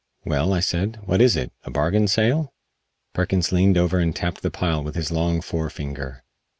"Well," I said, "what is it a bargain sale?" Perkins leaned over and tapped the pile with his long fore finger.